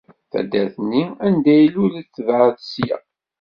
Taddart-nni anda ilul tebɛed ssya.